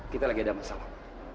kita lagi ada masalah